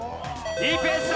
いいペースだ！